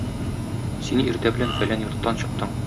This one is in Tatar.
Син иртә белән фәлән йорттан чыктың.